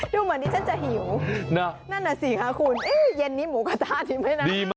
ดูเหมือนดิฉันจะหิวนั่นน่ะสิค่ะคุณเอ๊ะเย็นนี้หมูกระทะดิไหมนะ